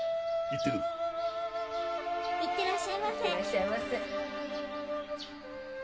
行ってらっしゃいませ。